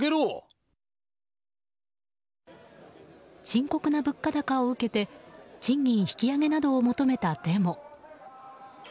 深刻な物価高を受けて賃金引き上げなどを求めたデモ。